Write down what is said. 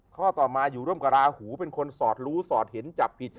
ข้อต่อมาอยู่ร่วมกับราหูเป็นคนสอดรู้สอดเห็นจับผิด